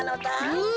うん。